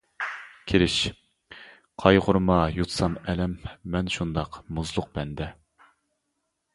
كىرىش قايغۇرما يۇتسام ئەلەم مەن شۇنداق مۇزلۇق بەندە.